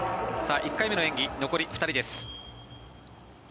１回目の演技残り２人です。